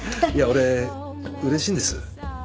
俺うれしいんです。